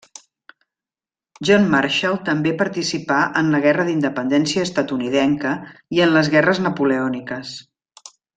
John Marshall també participà en la guerra d'Independència estatunidenca i en les guerres napoleòniques.